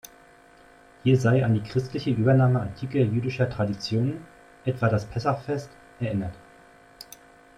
Hier sei an die christliche Übernahme antiker jüdischer Traditionen, etwa das Pessachfest, erinnert.